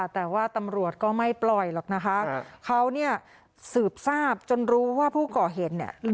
แต่ว่าตำรวจก็ไม่ปล่อยหรอกนะคะเขาเนี่ยสืบทราบจนรู้ว่าผู้ก่อเหตุเนี่ย